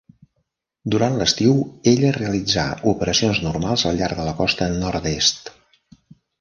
Durant l'estiu, ella realitzà operacions normals al llarg de la costa nord-est.